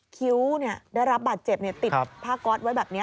คิ้วได้รับบาดเจ็บติดผ้าก๊อตไว้แบบนี้